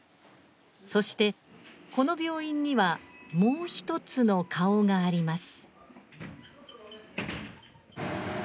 そしてこの病院にはもう一つの顔があります。